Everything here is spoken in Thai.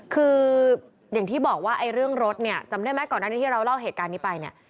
คืออย่างที่บอกว่าเรื่องรถเนี่ยจำได้ไหมก่อนหน้านี้ที่เราเล่าเหตุการณ์นี้ไปเนี่ย